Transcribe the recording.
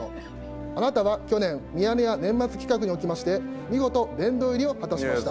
あなたは去年、ミヤネ屋年末企画におきまして、見事殿堂入りを果たしました。